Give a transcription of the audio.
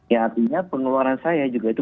ya artinya pengeluaran saya juga itu